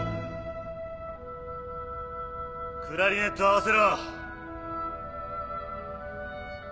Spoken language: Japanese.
クラリネット合わせろ。